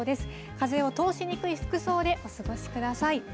風を通しにくい服装でお過ごしください。